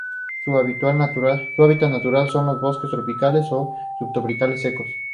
Su hábitat natural son los bosques tropicales o subtropicales secos.